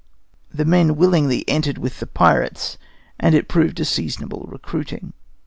The men willingly entered with the pirates, and it proved a seasonable recruiting.